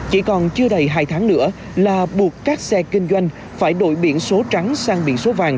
chỉ còn chưa đầy hai tháng nữa là buộc các xe kinh doanh phải đổi biển số trắng sang biển số vàng